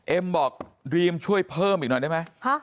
เอ็มบอกรีมช่วยเพิ่มอีกหน่อยได้ไหม